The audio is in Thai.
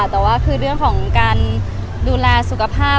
แต่ว่าคือเรื่องของการดูแลสุขภาพ